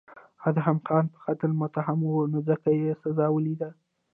ادهم خان په قتل متهم و نو ځکه یې سزا ولیده.